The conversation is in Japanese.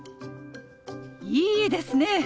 いいですね！